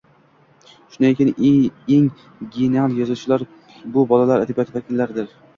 Shunday ekan, eng genial yozuvchilar bu bolalar adabiyoti vakillaridir.